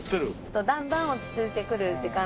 だんだん落ち着いてくる時間帯ですね。